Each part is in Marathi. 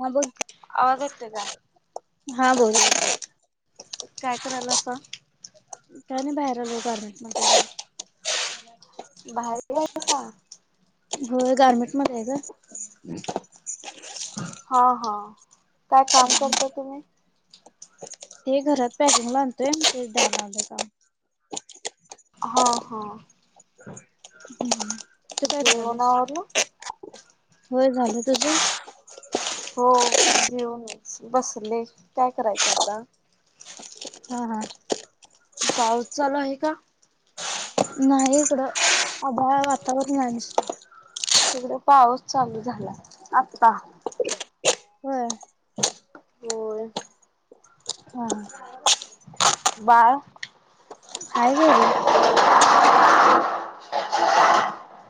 हा बोल, आवाज येतोय का? हा बोल. काय करायलासा? काही नाही बाहेर लोय गारमेंट मध्ये [unintelligible] बाहेर गेलायसा? होय, गारमेंट मध्ये आहे ग. [inaudible] हा, हा, काय काम करता तुम्ही? ते घरात पॅकिंगला आणतोय, तेच द्यायला आलोय काम. हा, हा. तू काय जेवण करायल्यास? आवरलं? होय झालं तुझं? हो, जेऊनच बसले, काय करायचं आता? हा, हा. पाऊस चालू आहे का? नाही इकडं आभाळ वातावरण नाही. इकड पाऊस चालू झाला आता. होय होय. हा. बाळ? हाय घरी.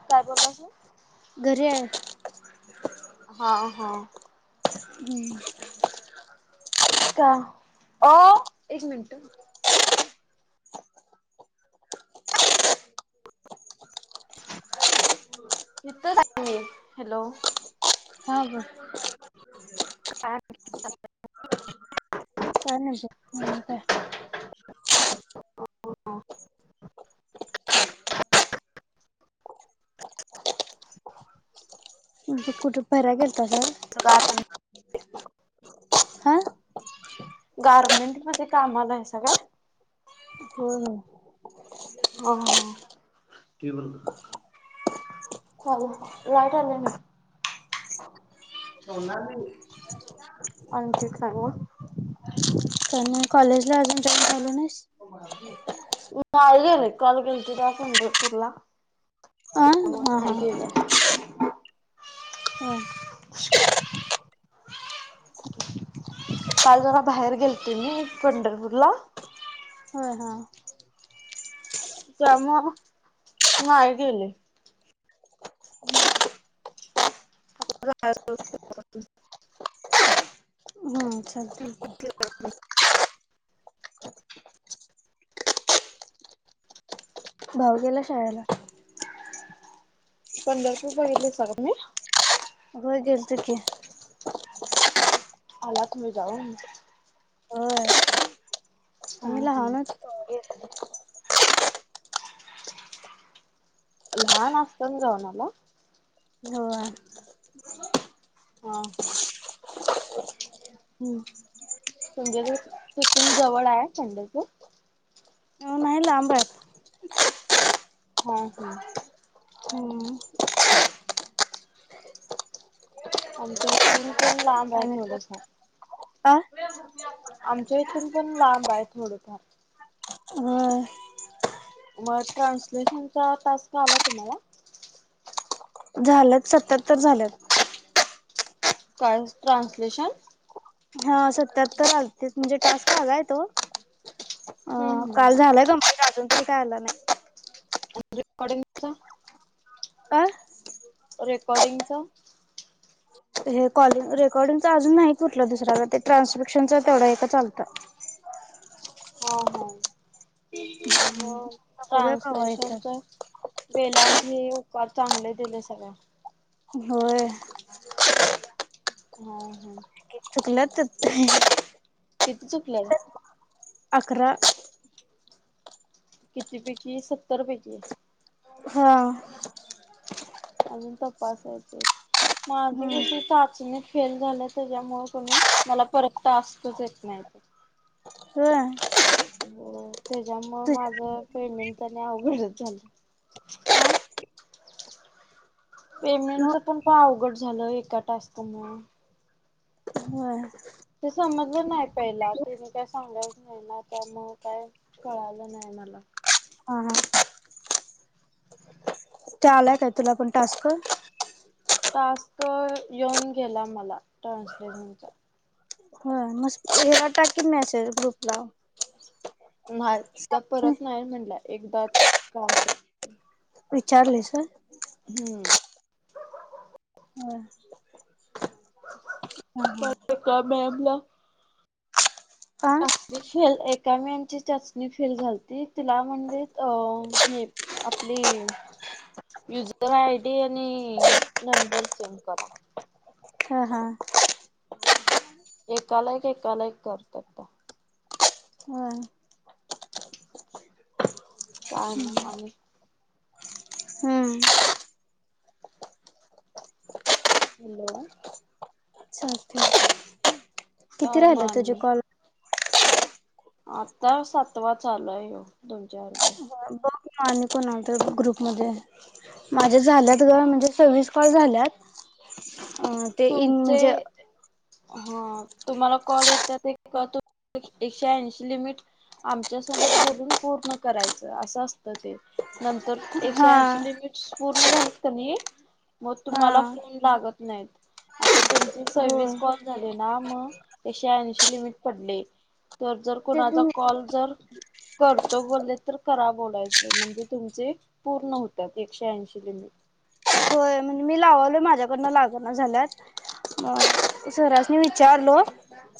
काय बोलास ह? घरी आहे. हा, हा. हम्म [inaudible] का? आ.. एक मिनट. इथच आहे मी, हॅलो? हा, बर. ह [inaudible] कायं नांय आतांय आंता कुठं फिरांयला गेलतांस वयं सु कांत हा गारमेंट मध्यें कामांला हायसं कायं हम्मं हम्मं हो हो चालुं लाईट आलं नां सोणांरली आणि ते सांगू मंग कॉलेज लां अजूंन जाॅईन झालासं नाहीसं तुं मं आं झाले कॉल घेलती दासपुर्ला आ हा हा ह [unintelligible] हम्मं कांल जरां बाहेर गेलते मी पंढरपूर लां हां हां चाऊंन झालां नाहीं गेले जायाचं अच्छा ठीक आहे [unintelligible] भांऊ गेलां शाळेलां पंढरपूर बहितल सरानी हो गेलतो की आलांत तुम्हीं जाऊंण होय हां हो गेतो लहांन असतं नां जाऊंण आंला हो मंग हम्मं तुंमे तिथूंन जवळं आहे पंढरपूर नाहीं लांब आहे हो हम्मं आमच्यां इथूंन पणं लांब आहे थोडंसं अं [unintelligible] आमच्यां इथूंन पणं लांब आहे थोडंफार व्हयं मंग ट्रान्सलेशन चां टास्कं आंला तुम्हांला झालंत सत्ततर झालंत कां चं ट्रान्सलेशन हां सत्यांहत्तर आलतेचं म्हणजे टास्क झालांय तो हम्म अं हम्म कांल झालायं कां माझं अजूंन तरी कायं आलं नाहीं रेकॉडिंग चां आ रेकॉर्डिंगचां हे कॉलिंग रेकॉर्डिंगच अजूंन नाहीं तुटलं दुसऱ्यां ते ट्रान्सपॅक्शनचा तेवढं एक चालतं ह हो मग बघूया कवा ट्रान्सलेशन येतात तर वेलांठी उकार चांगले दिले सगळ. होय. हा हा. चुकलत. किती चुकलं. अकरा. किती पैकी सत्तर पैकी. हा. अजून तपासायचे माझी हम्म क चाचणी फेल झाल्या त्याच्यामुळे कोणी मला परतत असतच येत नाही. हम. हो त्याच्यामुळे माझ पेमेंट त्यां अवघडच झालं. पेमेंटच पण अवघड झालं एका टास्क मुळे ह ते समजलं नाही., पहिला त्यांनी काय सांगीतलं नाही ना, त्यामुळ काय? कळालं नाही मला. हा हा ते आलाय काय तुला पण टास्क टास्क येऊन गेला मला ट्रान्सलेशनचा मेसेज आला होता की ग्रुप ला. नाही त्या परत नाही म्हणाल्या एकदाच का? विचारलेस? हम्म हम हम- हम का मॅमला? हा हा चाचणी फेल, एका मॅडम ची चाचणी फेल झालती तिला म्हणाले, अ.... हे आपली युजर आयडी आणि नंबर सेंड करा. हा -हा एकाला- एक एकाला -एक करतात त्या हा काय मग आणि? हम्म हॅलो चालते की, किती काय म राहिले तुझे आणि कॉल? आता सातवा चालूय आहें हा तुमच्या बरोबर. बघ आणि कोण आता ग्रुप मध्ये माझे झाले आहेत ग, म्हणजे सविस कॉल झालेत. तुमचे ह..... तुम्हाला कॉल येत आहेत कीं एकशे ऐंशी लिमिट आमच्यासोबत बोलून पूर्ण करायचं असं असतं ते नंतर एकशे हा ऐंशी लिमिट्स पूर्ण झालेत की नाही, मग हा तुम्हाला फोन लागत नाहीत. आता तुमचे सविस होय कॉल झाले ना, मग एकशे ऐंशी लिमिट पडले. तर जर तेच कुणाचा मी कॉल जर करतो बोलले तर करा बोलायचं म्हणजे तुमचे पूर्ण होतात एकशे ऐंशी लिमिट होय, म्हणजे मी लाव माझ्याकडून लागण्या झाल्यात म्हणून, सरासनी विचारल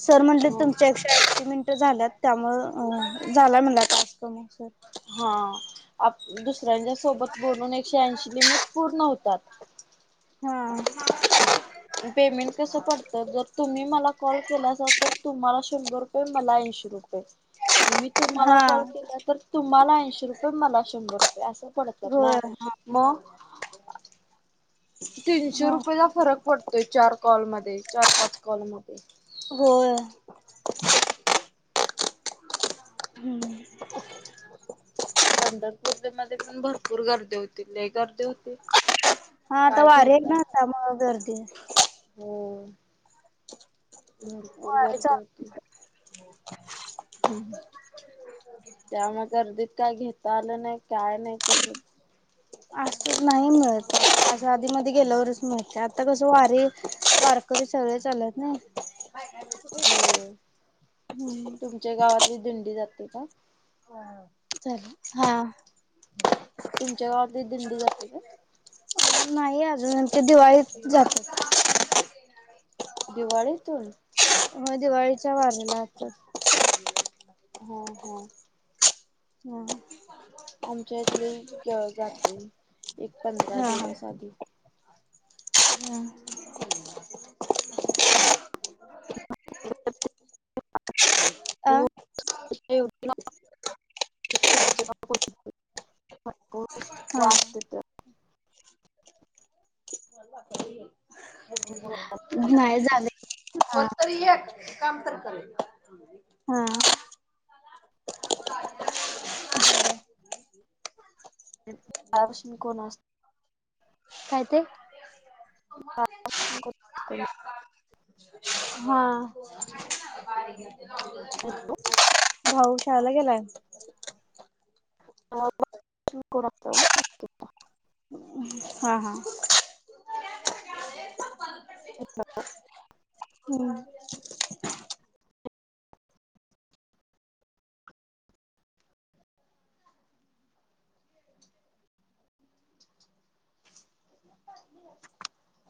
सर म्हंटले लिमिट. तुमच्या ऐकशे अंशी मिनिटं झालेले आहें, त्यामुळे झाला म्हण टास्क पुर्ण. हा आ दुसऱ्यांच्या सोबत बोलून एकशे ऐंशी लिमिट पूर्ण होतात. हा पेमेंट कस पडत, जर तुम्ही मला कॉल केला तर तुम्हाला शंभर मला ऐणशी रुपय आणि मी तुम्हाला हा कॉल केला तर, तुम्हाला ऐंशी रुपये, मला शंभर रुपये अस पडतात ना. होय म तीनशे हा रुपयेचा फरक पडतोय. चार कॉल मध्ये चार -पाच कॉल मध्ये. होय. हम्म पंढरपूर मध्ये पण भरपूर गर्दी होती लई गर्दी होती. आता काय वारी घेताय आहेना त्यामुळे मग गर्दी हो, भरपूर वारी गर्दी चालू होती. ह् त्यामुळे मग गर्दीत काय घेता आल नाही काय नाही तसच. अस नाही मिळत. अस आधी मध्ये गेल्यावरच मिळतय आता कस वारीे वारकरी सगळे चालु आहेत ना. होय. हम्म. तुमच्या गावातली दिंडी जाते काय? चालेल हा तुमच्या गावातली दिंडी जाते काय? नाही अजून आमची दिवाळीत जाते. दिवाळीतून हो, दिवाळीच्या वारी ला वाटत. हा हा. हा आमच्या इथले जातय एक पंधरा हा दिवस आधी. हा [inaudible] आ [inaudible] [unintelligible] हा वाचते तर नाही झालंय बोल तर एक काम तर कर ये हा. [unintelligible] काय त? [inaudible] हा [inaudible] हॅलो! ओम शाळेला गेलाय. [inaudible] हा हा हॅलो. हम [inaudible]